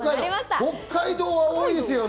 北海道は多いですよ。